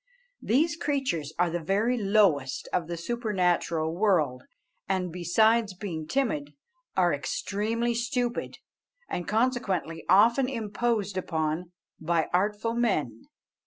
These creatures are the very lowest of the supernatural world, and, besides being timid, are extremely stupid, and consequently often imposed upon by artful men.